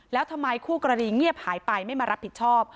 แล้วทำไมคู่กรณีเงียบหายไปไม่มารับผิดชอบ